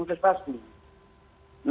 nah berikut saya jelaskan